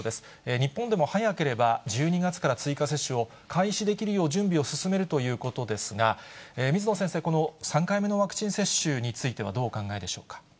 日本でも早ければ１２月から追加接種を開始できるよう準備を進めるということですが、水野先生、この３回目のワクチン接種についてはどうお考えでしょうか。